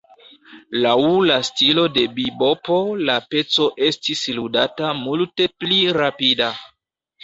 Laŭ la stilo de bibopo la peco estis ludata multe pli rapida.